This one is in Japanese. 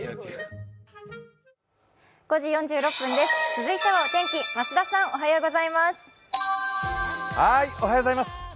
続いてはお天気、増田さん、おはようございます。